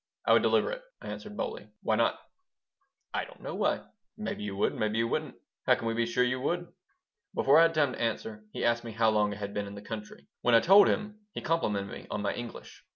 "I would deliver it," I answered, boldly. "Why not?" "I don't know why. Maybe you would, maybe you wouldn't. How can we be sure you would?" Before I had time to answer he asked me how long I had been in the country. When I told him, he complimented me on my English.